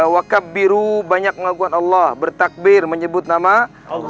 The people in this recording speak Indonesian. wa qabbiru banyak mengakuan allah bertakbir menyebut nama allah